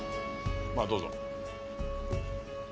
まあどうぞ。